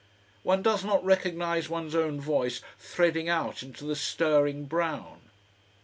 One does not recognise one's own voice threading out into the stirring brown.